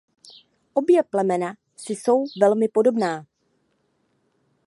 Obě plemena si jsou velmi podobná.